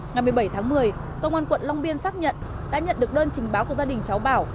ngày một mươi bảy tháng một mươi công an quận long biên xác nhận đã nhận được đơn trình báo của gia đình cháu bảo